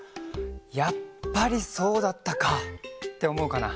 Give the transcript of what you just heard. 「やっぱりそうだったか！」っておもうかな。